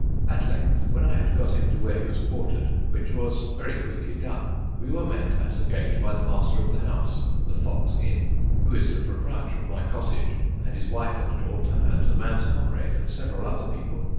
At length when I had got him to where he was quartered, which was very quickly done, we were met at the gate by the master of the house the Fox Inn (who is the proprietor of my cottage) and his wife and daughter, and the man's comrade, and several other people.